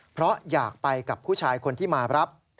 เพราะอยากไปกับผู้ชายคนที่มารับ